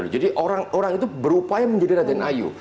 jadi orang itu berupaya menjadi raden ayu